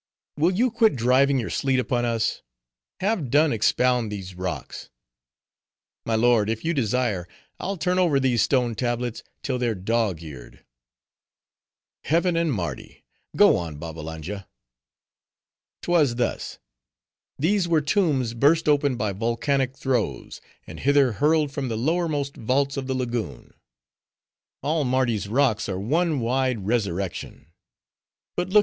"Will you quit driving your sleet upon us? have done expound these rocks." "My lord, if you desire, I'll turn over these stone tablets till they're dog eared." "Heaven and Mardi!—Go on, Babbalanja." "'Twas thus. These were tombs burst open by volcanic throes; and hither hurled from the lowermost vaults of the lagoon. All Mardi's rocks are one wide resurrection. But look.